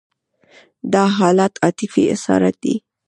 دا حالت عاطفي اسارت دی.